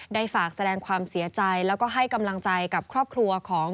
ได้ฝากแสดงความเสียใจแล้วก็ให้กำลังใจกับครอบครัวของ